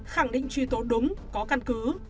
khẳng định truy tố đúng có căn cứ